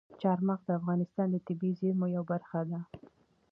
چار مغز د افغانستان د طبیعي زیرمو یوه برخه ده.